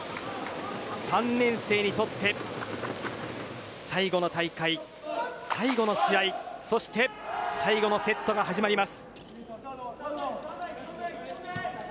３年生にとって最後の大会、最後の試合そして最後のセットが始まります。